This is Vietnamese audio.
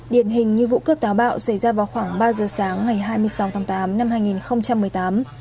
điển hình như vụ cướp táo bạo xảy ra vào khoảng ba giờ sáng ngày hai mươi sáu tháng tám năm hai nghìn một mươi tám